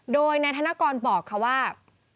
โดยนายธนกรบอกค่ะว่า